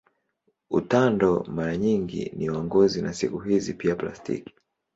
Utando mara nyingi ni wa ngozi na siku hizi pia plastiki.